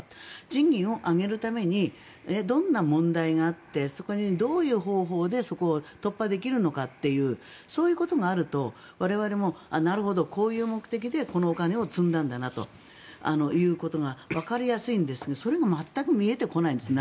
賃金を上げるためにどんな問題があってそこにどういう方法でそこを突破できるのかというそういうことがあると我々もなるほど、こういう目的でこのお金を積んだんだなということがわかりやすいんですがそれが全く見えてこないんです。